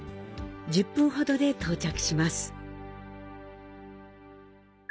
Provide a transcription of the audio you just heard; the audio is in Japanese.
１０分ほどで到着します。